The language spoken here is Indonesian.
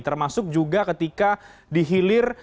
termasuk juga ketika dihilir